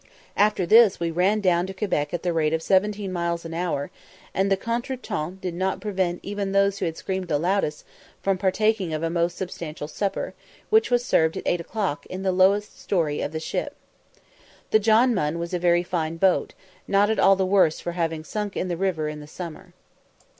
After this we ran down to Quebec at the rate of seventeen miles an hour, and the contretemps did not prevent even those who had screamed the loudest from partaking of a most substantial supper, which was served at eight o'clock in the lowest story of the ship. The John Munn was a very fine boat, not at all the worse for having sunk in the river in the summer.